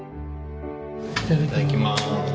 いただきます。